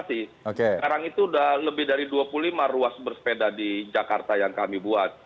sekarang itu sudah lebih dari dua puluh lima ruas bersepeda di jakarta yang kami buat